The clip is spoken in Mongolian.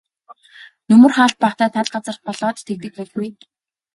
Нөмөр хаалт багатай тал газар болоод тэгдэг байлгүй.